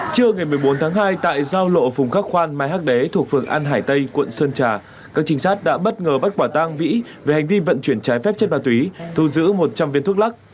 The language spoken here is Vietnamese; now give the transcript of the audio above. trưa ngày một mươi bốn tháng hai tại giao lộ phùng khắc khoan mai hắc đế thuộc phường an hải tây quận sơn trà các trinh sát đã bất ngờ bắt quả tang vĩ về hành vi vận chuyển trái phép chất ma túy thu giữ một trăm linh viên thuốc lắc